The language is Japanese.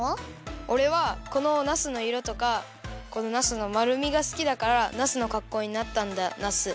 おれはこのナスのいろとかこのナスのまるみがすきだからナスのかっこうになったんだナス。